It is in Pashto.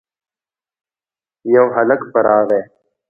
يو هلک په راغی.